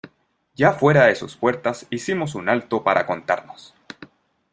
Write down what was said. ya fuera de sus puertas hicimos un alto para contarnos.